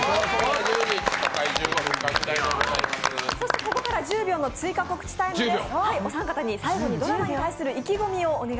ここから１０秒の追加タイムです。